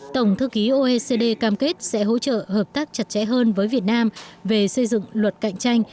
tổng thư ký oecd cam kết sẽ hỗ trợ hợp tác chặt chẽ hơn với việt nam về xây dựng luật cạnh tranh